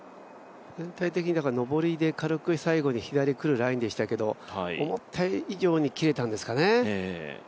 全体的に上りで軽く最後に左に来るラインでしたけど思った以上に切れたんですかね。